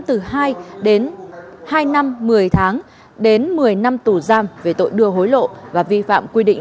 từ hai đến hai năm một mươi tháng đến một mươi năm tù giam về tội đưa hối lộ và vi phạm quy định